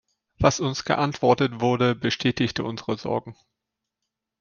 Was uns geantwortet wurde, bestätigt unsere Sorgen.